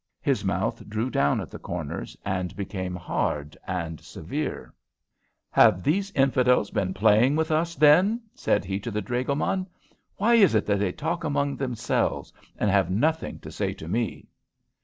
His mouth drew down at the corners, and became hard and severe. "Have these infidels been playing with us, then?" said he to the dragoman. "Why is it that they talk among themselves and have nothing to say to me?"